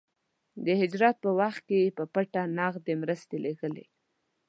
د هجرت په وخت کې يې په پټه نغدې مرستې لېږلې.